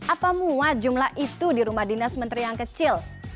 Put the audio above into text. apa muat jumlah itu di rumah dinas menteri yang kecil